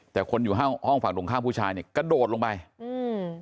แต่คนอยู่ห้องห้องฝั่งตรงข้ามผู้ชายเนี่ยกระโดดลงไปอืม